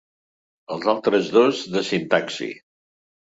Els altres dos, de sintaxi.